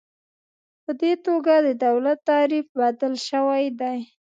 په دې توګه د دولت تعریف بدل شوی دی.